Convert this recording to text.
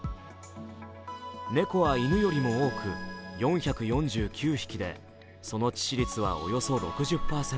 猫は犬よりも多く、４４９匹でその致死率はおよそ６０％。